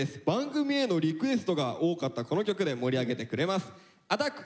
番組へのリクエストが多かったこの曲で盛り上げてくれます。